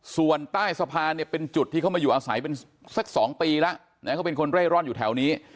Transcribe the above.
ส่วนใต้สะพานเนี่ยเป็นจุดที่เขามาอยู่อาศัยเป็นสัก๒ปีแล้วนะเขาเป็นคนเร่ร่อนอยู่แถวนี้